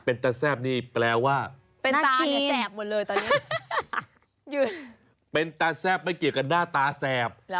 เป็นตาแซ่บนี่แปลว่าเป็นตาแซ่บไม่เกี่ยวกับหน้าตาแซ่บ